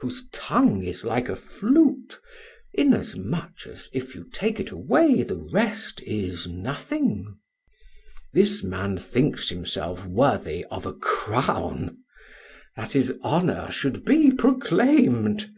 whose tongue is like a flute, inasmuch as if you take it away the rest is nothing.... This man thinks himself worthy of a crown that his honor should be proclaimed.